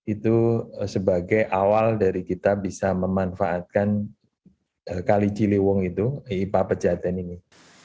itu sebagai awal dari kita bisa memanfaatkan kali ciliwung itu ipa pejaten ini